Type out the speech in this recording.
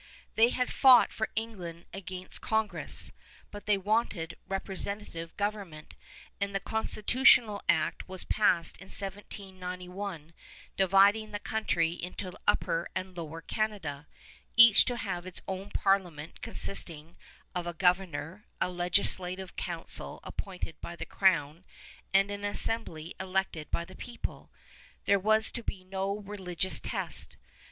They had fought for England against Congress, but they wanted representative government, and the Constitutional Act was passed in 1791 dividing the country into Upper and Lower Canada, each to have its own parliament consisting of a governor, a legislative council appointed by the crown, and an assembly elected by the people. There was to be no religious test.